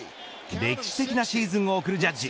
歴史的なシーズンを送るジャッジ。